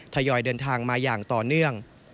ทยอยเดินทางมาอย่างต่อเนื่อง